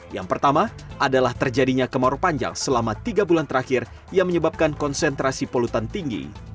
yang pertama adalah terjadinya kemarau panjang selama tiga bulan terakhir yang menyebabkan konsentrasi polutan tinggi